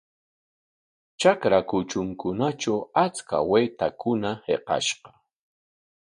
Trakra kutrunkunatraw achka waytakuna hiqashqa.